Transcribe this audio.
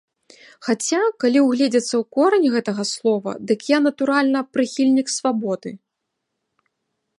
Хаця, калі ўгледзецца ў корань гэтага слова, дык я, натуральна, прыхільнік свабоды.